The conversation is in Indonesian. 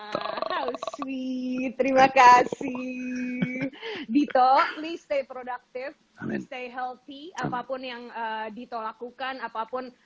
terima kasih dito liste produktif menceh healthy apapun yang dito lakukan apapun